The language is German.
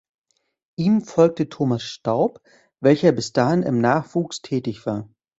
Ihm folgte Thomas Staub, welcher bis dahin im Nachwuchs tätig war.